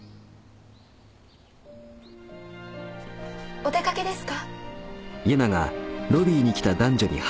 お出掛けですか？